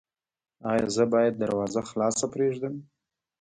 ایا زه باید دروازه خلاصه پریږدم؟